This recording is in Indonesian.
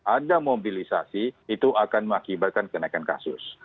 ada mobilisasi itu akan mengakibatkan kenaikan kasus